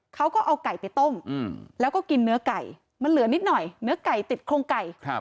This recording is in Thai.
เขาก็เอาไก่ไปต้มแล้วก็กินเนื้อไก่มันเหลือนิดหน่อยเนื้อไก่ติดโครงไก่